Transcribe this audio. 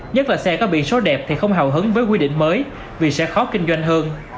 nhất là xe có biển số đẹp thì không hào hứng với quy định mới vì sẽ khó kinh doanh hơn